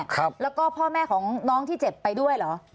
ครับแล้วก็พ่อแม่ของน้องที่เจ็บไปด้วยเหรอ